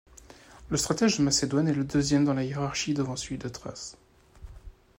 Le stratège de Macédoine est le deuxième dans la hiérarchie devant celui de Thrace.